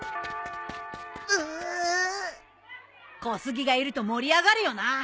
小杉がいると盛り上がるよな。